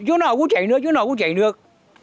chú nào cũng chảy nước chú nào cũng chảy nước